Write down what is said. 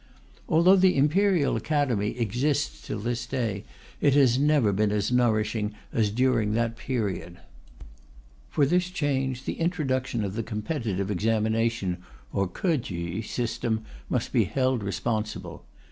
Although the Imperial Academy exists till this day, it has never been as nourishing as during that period. For this change the introduction of the competitive examination or Ko chü system, must be held responsible.